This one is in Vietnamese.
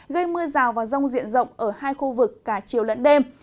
gây mưa rào và rông diện rộng ở hai khu vực cả chiều lẫn đêm